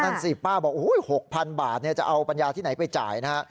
นั่นสิป้าบอก๖๐๐๐บาทจะเอาปัญญาที่ไหนไปจ่ายนะฮะ